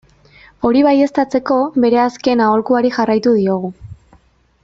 Hori baieztatzeko, bere azken aholkuari jarraitu diogu.